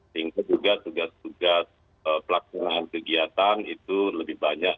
sehingga juga tugas tugas pelaksanaan kegiatan itu lebih banyak